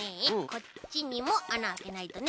こっちにもあなあけないとね。